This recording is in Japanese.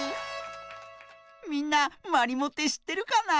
みんなまりもってしってるかな？